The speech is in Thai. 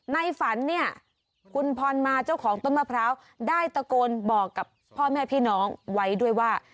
ในฝันเนี่ยคุณพรมาเจ้าของต้นมะพร้าวได้ตะโกนบอกกับพ่อแม่พี่น้องไว้ด้วยว่า